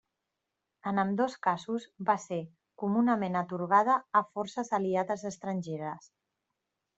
En ambdós casos va ser comunament atorgada a forces aliades estrangeres.